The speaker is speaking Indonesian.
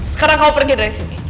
sekarang kau pergi dari sini